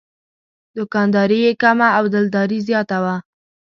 دوکانداري یې کمه او دلداري زیاته وه.